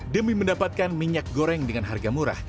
demi mendapatkan minyak goreng dengan harga murah